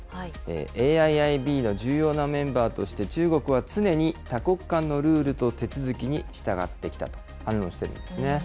ＡＩＩＢの重要なメンバーとして、中国は常に多国間のルールと手続きに従ってきたと反論しているんですね。